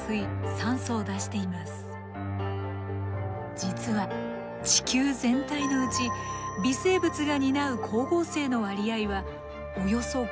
実は地球全体のうち微生物が担う光合成の割合はおよそ５０％。